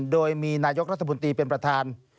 โดยมีนายกรัฐมนตรีเป็นประธาน